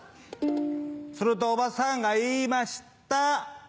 するとおばさんが言いました。